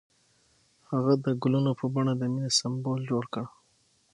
هغه د ګلونه په بڼه د مینې سمبول جوړ کړ.